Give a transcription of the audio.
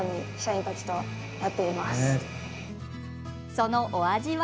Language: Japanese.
そのお味は？